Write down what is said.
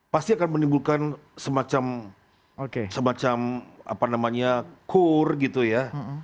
pasti akan menimbulkan semacam apa namanya kur gitu ya